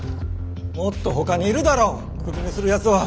もっとほかにいるだろクビにするやつは。